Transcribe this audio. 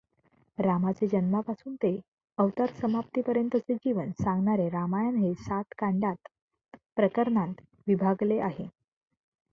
रामाचे जन्मापासून ते अवतारसमाप्तीपर्यंतचे जीवन सांगणारे रामायण हे सात कांडांत प्रकरणांत विभागले आहे.